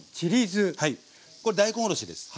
これ大根おろしです。